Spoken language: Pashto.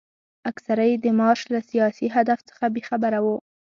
اکثره یې د مارش له سیاسي هدف څخه بې خبره وو.